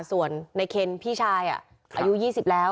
ส่วนในเคนพี่ชายอายุ๒๐แล้ว